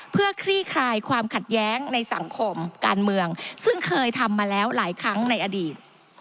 เพื่อคลี่คลายความขัดแย้งในสังคมการเมืองซึ่งเคยทำมาแล้วหลายครั้งในอดีต